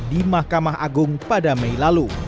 di mahkamah agung pada mei lalu